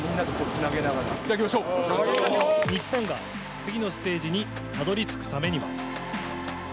日本が次のステージにたどりつくためには？